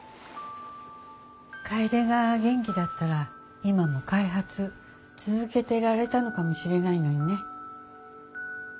楓が元気だったら今も開発続けていられたのかもしれないのにね。